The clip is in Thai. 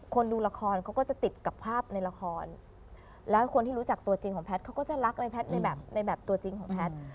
ดูละครเขาก็จะติดกับภาพในละครแล้วคนที่รู้จักตัวจริงของแพทย์เขาก็จะรักในแพทย์ในแบบในแบบตัวจริงของแพทย์